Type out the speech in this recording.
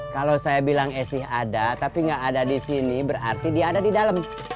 kalau saya bilang esi ada tapi gak ada disini berarti dia ada di dalam